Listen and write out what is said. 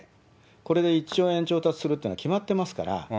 これで１兆円調達するというのは決まってますから。